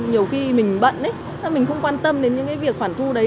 nhiều khi mình bận ấy mình không quan tâm đến những cái việc khoản thu đấy